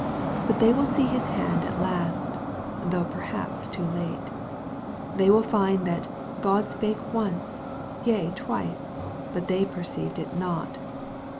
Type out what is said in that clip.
But they will see His hand at last, though perhaps too late. They will find that " God spake once, yea twice, but they perceived it not.''